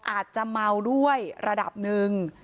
อาจจะเมาด้วยระดับหนึ่ง